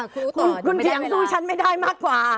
คุณเพียงสู้ฉันไม่ได้มากกว่า